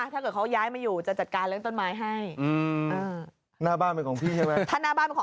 ไฟคือเนื่องเบาหนิตริก